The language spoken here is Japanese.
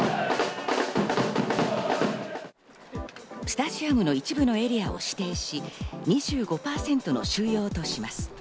スタジアムの一部のエリアを指定し、２５％の収容とします。